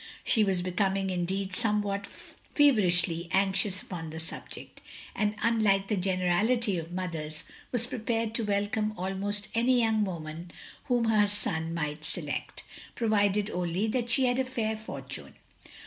She was becoming indeed somewhat feverishly anxious upon the subject, and unlike the gen erality of mothers, was prepared to welcome almost any yotmg woman whom her son might select, provided only that she had a fair forttme.